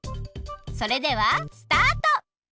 それではスタート！